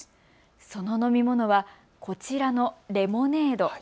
その飲み物はこちらのレモネード。